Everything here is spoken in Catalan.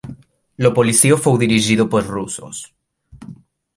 La policia fou dirigida per russos.